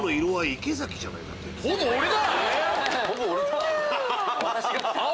ほぼ俺だ！